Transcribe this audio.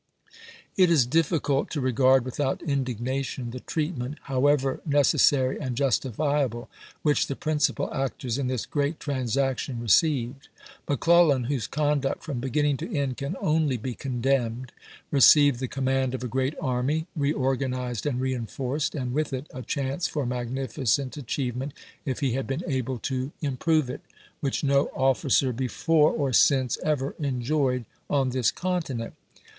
It is difficult to regard without indignation the treatment, however necessary and justifiable, which the principal actors in this great transaction re ceived. McClellan, whose conduct from beginning to end can only be condemned, received the command of a great army, reorganized and reenforced, and with it a chance for magnificent achievement, if he had been able to improve it, which no officer before pope's vieginia campaign 25 or since ever enjoyed on this continent.